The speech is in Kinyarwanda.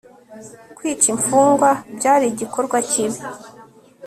kwica imfungwa byari igikorwa kibi